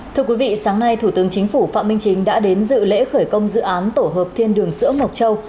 thưa quý vị sáng nay thủ tướng chính phủ phạm minh chính đã đến dự lễ khởi công dự án tổ hợp thiên đường sữa mộc châu